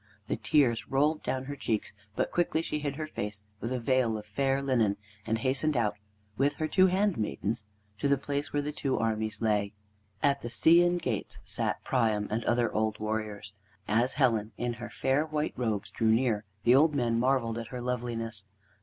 The tears rolled down her cheeks, but quickly she hid her face with a veil of fair linen, and hastened out, with her two handmaidens, to the place where the two armies lay. At the Scæan gates sat Priam and other old warriors. As Helen, in her fair white robes, drew near, the old men marveled at her loveliness.